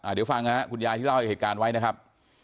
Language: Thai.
เดี๋ยวฟังคุณยายที่เล่าเหตุการณ์ไว้นะครับ